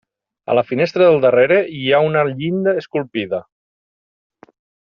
A la finestra del darrere hi ha una llinda esculpida.